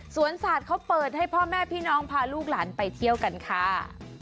ศาสตร์เขาเปิดให้พ่อแม่พี่น้องพาลูกหลานไปเที่ยวกันค่ะ